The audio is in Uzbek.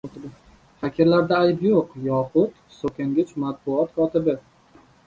“Xakerlar”da ayb yo‘q yoxud so‘kong‘ich matbuot kotibi